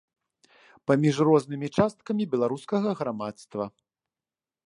Паміж рознымі часткамі беларускага грамадства.